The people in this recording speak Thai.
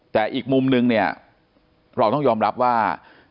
แต่อีกมุมนึงเนี่ยเราต้องยอมรับว่า